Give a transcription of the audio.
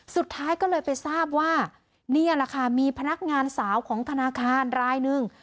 สุดท้ายก็เลยไปทราบว่านี่แหละค่ะมีพนักงานสาวของธนาคารรายหนึ่ง